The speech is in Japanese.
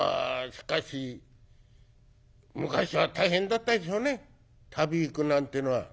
しかし昔は大変だったでしょうね旅行くなんてのは。